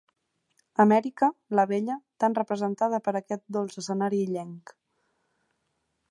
Amèrica, la bella, tan representada per aquest dolç escenari illenc.